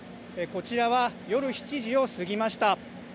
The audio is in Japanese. こちらは、夜７時を過ぎました。